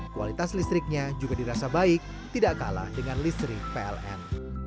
kualitas listriknya juga dirasa baik tidak kalah dengan listrik pln